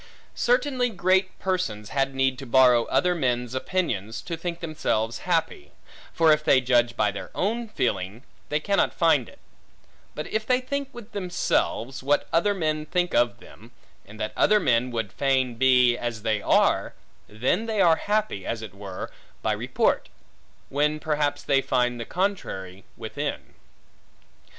Certainly great persons had need to borrow other men's opinions, to think themselves happy; for if they judge by their own feeling, they cannot find it; but if they think with themselves, what other men think of them, and that other men would fain be, as they are, then they are happy, as it were, by report; when perhaps they find the contrary within.